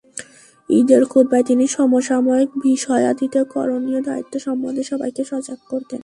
ঈদের খুতবায় তিনি সমসাময়িক বিষয়াদিতে করণীয় দায়িত্ব সম্বন্ধে সবাইকে সজাগ করতেন।